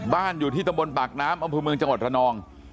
อยู่ที่ตำบลปากน้ำอำเภอเมืองจังหวัดระนอง